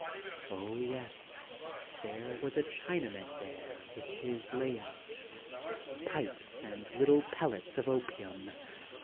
yes, there was a Chinaman there with his pipes and little pellets of opium.